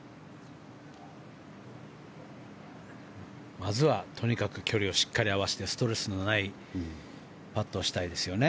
まずはとにかく距離をしっかり合わせてストレスのないパットをしたいですよね。